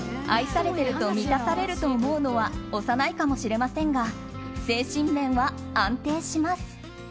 愛されていると満たされると思うのは幼いかもしれませんが精神面は安定します。